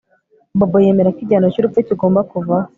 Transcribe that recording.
Bobo yemera ko igihano cyurupfu kigomba kuvaho